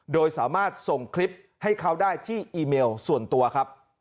โดยสามารถส่งคลิปให้เขาได้ที่อีเมลส่วนตัวครับ